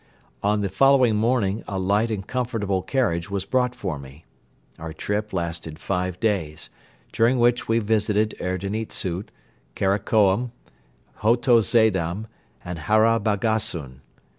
On the following morning a light and comfortable carriage was brought for me. Our trip lasted five days, during which we visited Erdeni Dzu, Karakorum, Hoto Zaidam and Hara Balgasun.